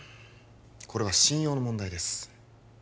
これは信用の問題です